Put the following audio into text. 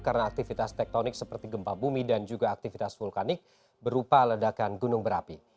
karena aktivitas tektonik seperti gempa bumi dan juga aktivitas vulkanik berupa ledakan gunung berapi